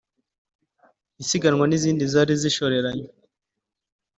isiganwa n’izindi zari zishoreranye